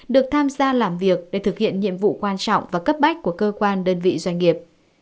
được tham gia làm việc để thực hiện nhiệm vụ quan trọng và cấp bách của cơ quan đơn vị doanh nghiệp